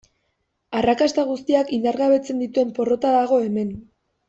Arrakasta guztiak indargabetzen dituen porrota dago hemen.